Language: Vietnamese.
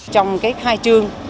trong cái khai trương